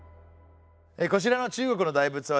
こちらの中国の大仏はですね